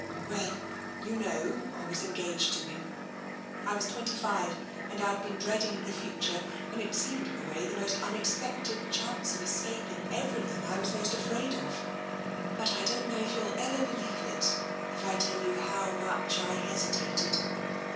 " Well, you know, I was engaged to him. I was twenty jfive, and I'd been dreading the future, and it seemed, in a way, the most unexpected chance of escap ing everything I was most afraid of. But I don*t know if you*ll ever believe it if I tell you how much I hesitated.